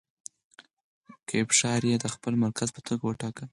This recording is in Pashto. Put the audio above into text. کیف ښاریې د خپل مرکز په توګه وټاکه.